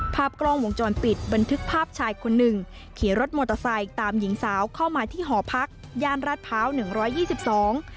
ภาพกล้องวงจรปิดบันทึกภาพชายคนหนึ่งขี่รถมอเตอร์ไซค์ตามหญิงสาวเข้ามาที่หอพักย่านราชพร้าวหนึ่งร้อยยี่สิบสอง